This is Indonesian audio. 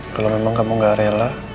kalau memang kamu gak rela